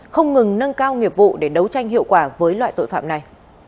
không ngừng nâng cao nghiệp vụ để đấu tranh hiệu quả với loại tội phạm này